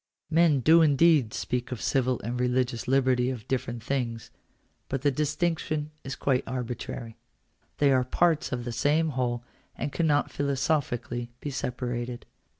Men do indeed speak of civil and religious liberty as different things : but the distinction is quite arbitrary. They are parts of the same whole and cannot philosophically be separated.